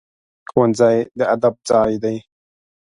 ښوونځی د ادب ځای دی